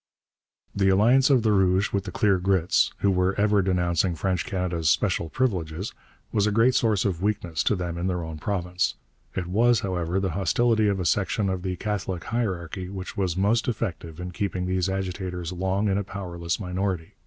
The alliance of the Rouges with the 'Clear Grits,' who were ever denouncing French Canada's 'special privileges,' was a great source of weakness to them in their own province. It was, however, the hostility of a section of the Catholic hierarchy which was most effective in keeping these agitators long in a powerless minority.